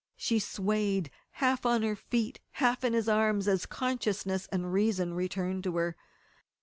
She swayed, half on her feet, half in his arms, as consciousness and reason returned to her.